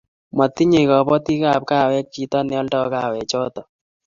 motinyei kabotikab kawek chito neoldoi kawechoto